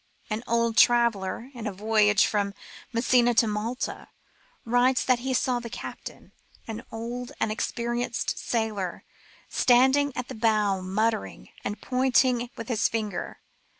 An old traveller, in a voyage from Messina to Malta, writes that he saw the captain, an old and experienced sailor, standing at the bow muttering and pointing with his finger.